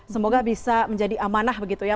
semoga bisa menjadi amanah begitu ya